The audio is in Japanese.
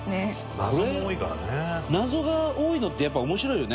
伊達：謎が多いのってやっぱり、面白いよね。